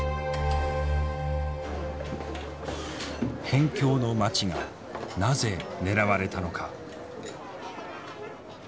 辺境の町がなぜ狙われたのか。